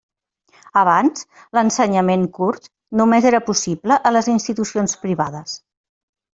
Abans, l'ensenyament kurd només era possible a les institucions privades.